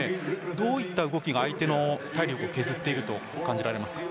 どういった動きが相手の体力を削っていると感じますか？